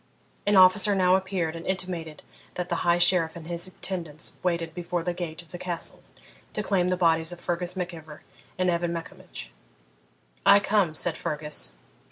An officer now appeared and intimated that the High Sheriff and his attendants waited before the gate of the Castle to claim the bodies of Fergus Mac Ivor and Evan Maccombich. 'I come,' said Fergus.